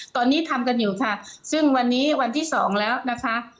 ตอนนี้ทำกันอยู่ค่ะซึ่งวันนี้วันที่สองแล้วนะคะ